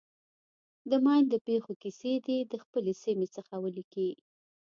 د ماین د پېښو کیسې دې د خپلې سیمې څخه ولیکي.